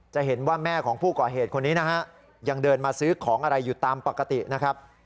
จะเห็นว่าแม่ของผู้ก่อเหตุคนนี้นะฮะยังเดินมาซื้อของอะไรอยู่ตามปกตินะครับ